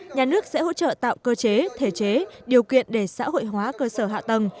nhà nước sẽ hỗ trợ tạo cơ chế thể chế điều kiện để xã hội hóa cơ sở hạ tầng